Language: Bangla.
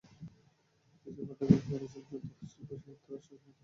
সেসব আড্ডায় গল্প হতো শিল্প, সাহিত্য, রাষ্ট্র, সমাজ ইত্যাদি বিষয় নিয়ে।